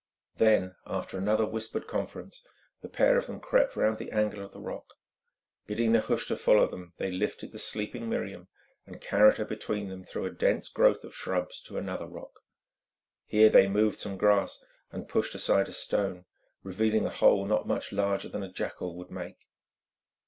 Then, after another whispered conference, the pair of them crept round the angle of the rock. Bidding Nehushta follow them, they lifted the sleeping Miriam, and carried her between them through a dense growth of shrubs to another rock. Here they moved some grass and pushed aside a stone, revealing a hole not much larger than a jackal would make.